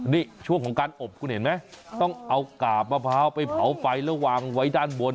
นี่ช่วงของการอบคุณเห็นไหมต้องเอากาบมะพร้าวไปเผาไฟแล้ววางไว้ด้านบน